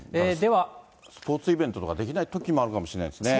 スポーツイベントとか、できないときもあるかもしれないですね。